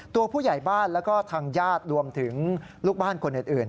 ตัวผู้ใหญ่บ้านแล้วก็ทางญาติรวมถึงลูกบ้านคนอื่น